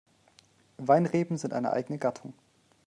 Weinreben sind eine eigene Gattung.